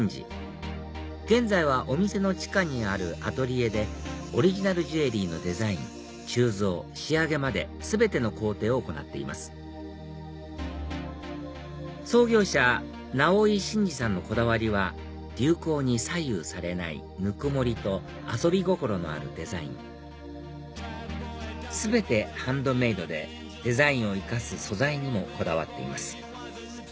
現在はお店の地下にあるアトリエでオリジナルジュエリーのデザイン鋳造仕上げまで全ての工程を行っています創業者直井新治さんのこだわりは流行に左右されないぬくもりと遊び心のあるデザイン全てハンドメイドでデザインを生かす素材にもこだわっています